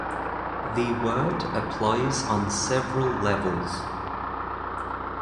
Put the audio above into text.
The word applies on several levels.